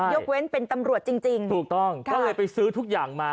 ยกเว้นเป็นตำรวจจริงจริงถูกต้องก็เลยไปซื้อทุกอย่างมา